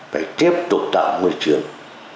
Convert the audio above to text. phải tiếp tục tạo môi trường